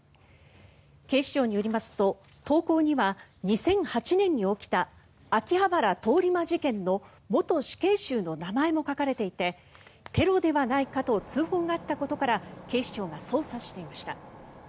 警視庁によりますと投稿には２００８年に起きた秋葉原通り魔事件の元死刑囚の名前も書かれていてテロではないかと通報があったことから警視庁が捜査していました。